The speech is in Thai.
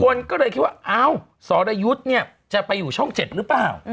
คนก็เลยคิดว่าอ้าวสรยุทธ์เนี่ยจะไปอยู่ช่อง๗หรือเปล่า